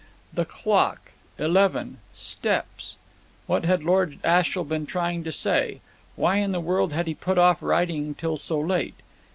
"The clock eleven steppes." What had Lord Ashiel been trying to say? Why in the world had he put off writing till so late?